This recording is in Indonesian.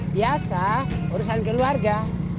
biasa urusan keluarga